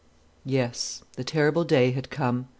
Yes; the terrible day had come.